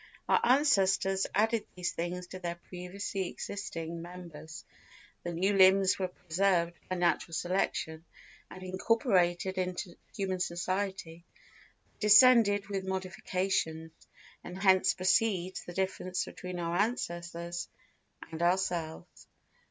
Our ancestors added these things to their previously existing members; the new limbs were preserved by natural selection, and incorporated into human society; they descended with modifications, and hence proceeds the difference between our ancestors and ourselves.